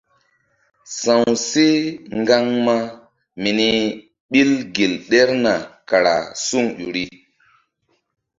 Sa̧w seh ŋgaŋma mini ɓil gel ɗerna kara suŋ ƴo ri.